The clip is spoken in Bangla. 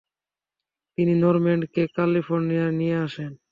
তিনি নরম্যান্ডকে ক্যালিফোর্নিয়ায় নিয়ে আসেন।